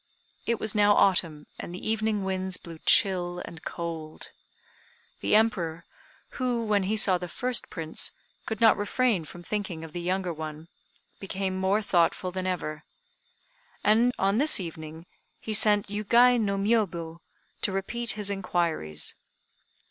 It was now autumn, and the evening winds blew chill and cold. The Emperor who, when he saw the first Prince, could not refrain from thinking of the younger one became more thoughtful than ever; and, on this evening, he sent Yugei no Miôbu to repeat his inquiries.